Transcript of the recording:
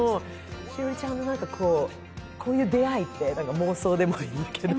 栞里ちゃんの、こういう出会いって妄想でもいいけど。